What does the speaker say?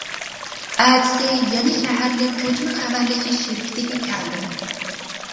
ئەتىسى يەنە شەھەرلىك كۆچمە خەۋەرلىشىش شىركىتىگە كەلدىم.